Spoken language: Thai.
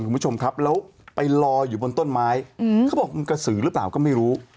คุณผู้ชมครับแล้วไปรออยู่บนต้นไม้เขาบอกมันกระสือหรือเปล่าก็ไม่รู้